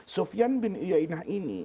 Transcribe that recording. sufyan bin uyainah ini